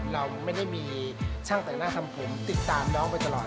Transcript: เราไม่ได้มีช่างแต่งหน้าทำผมติดตามน้องไปตลอด